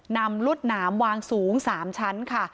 นำรุษนำวางสูงสามชั้นค่ะ